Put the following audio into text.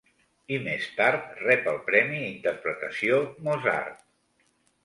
I més tard rep el premi Interpretació Mozart.